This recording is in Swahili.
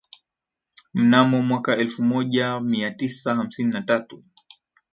mnamo mwaka elfu moja mia tisa hamsini na tatu